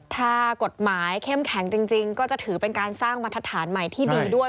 ถ้ากฎหมายเข้มแข็งจริงก็จะถือเป็นการสร้างมาตรฐานใหม่ที่ดีด้วย